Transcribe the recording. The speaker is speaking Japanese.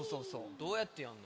どうやってやるの？